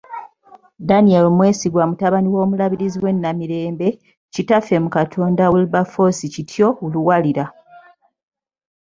Daniel Mwesigwa mutabani w'omulabirizi w'e Namirembe, kitaffe mu Katonda Wilberforce Kityo Luwalira.